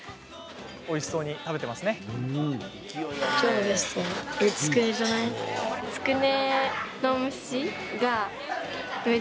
おいしそうに食べていますよね。